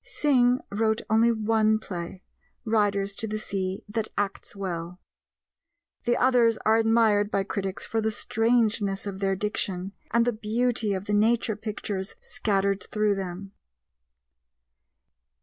Synge wrote only one play Riders to the Sea that acts well. The others are admired by critics for the strangeness of their diction and the beauty of the nature pictures scattered through them.